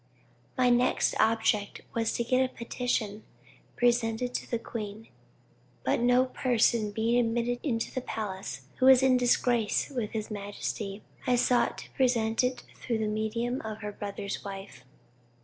"My next object was to get a petition presented to the queen, but no person being admitted into the palace who was in disgrace with his majesty, I sought to present it through the medium of her brother's wife.